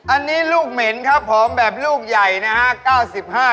อันนี้ลูกเหม็นครับผมแบบลูกใหญ่นะฮะ